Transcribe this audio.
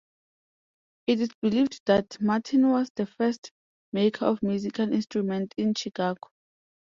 It is believed that Martin was the first maker of musical instruments in Chicago.